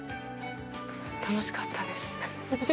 楽しかったです。